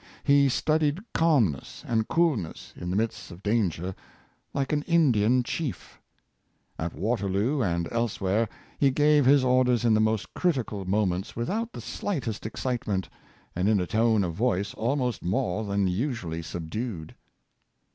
He studied calmness and coolness in the midst of danger, like an Indian chief At Waterloo and elsewhere he gave his orders in the most critical moments without the slightest excitement, and in a tone of voice almost more than usually subdued.